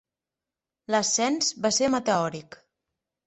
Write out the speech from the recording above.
L'ascens va ser meteòric.